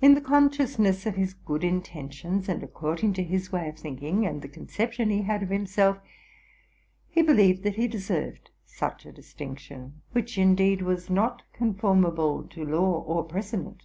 In the consciousness of his good intentions, and according to his way of thinking and the conception he had of himself, he believed that he deserved such a dis tinction, which, indeed, was not conformable to law or precedent.